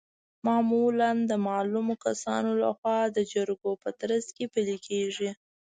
معمولا د معلومو کسانو لخوا د جرګو په ترڅ کې پلي کیږي.